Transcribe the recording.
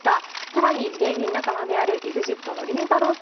更に芸人仲間であるＥＸＩＴのりんたろー。